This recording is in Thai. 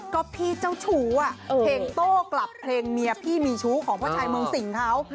ก็พี่เจ้าชู้อ่ะเพลงโต้กลับเพลงเมียพี่มีชู้ของพ่อชายเมืองสิงเขา